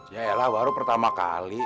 yaelah baru pertama kali